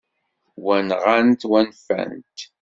Wa, nɣan-t, wa nfant-t.